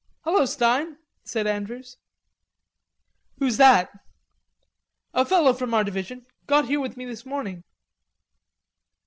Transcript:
"Hello, Stein," said Andrews. "Who's that?" "A fellow from our division, got here with me this morning."